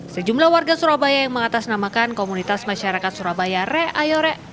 sejumlah warga surabaya yang mengatasnamakan komunitas masyarakat surabaya re ayore